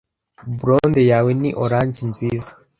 blonde yawe ni orange nziza